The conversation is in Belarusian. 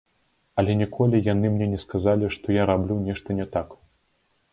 Але ніколі яны мне не сказалі, што я раблю нешта не так.